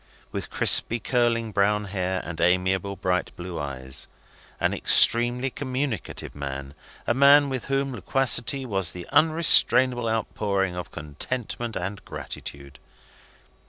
With crispy curling brown hair, and amiable bright blue eyes. An extremely communicative man: a man with whom loquacity was the irrestrainable outpouring of contentment and gratitude.